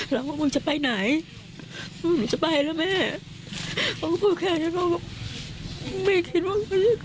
แล้วว่ามนักจะไปไหนขอแค่นั้นออกก็ไม่คิดว่า